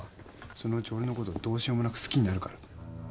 そのうち俺のことどうしようもなく好きになるから。